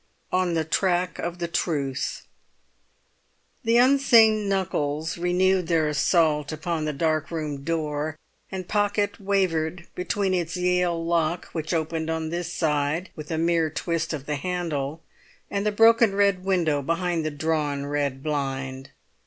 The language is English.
ON THE TRACK OF THE TRUTH The unseen knuckles renewed their assault upon the dark room door; and Pocket wavered between its Yale lock, which opened on this side with a mere twist of the handle, and the broken red window behind the drawn red blind.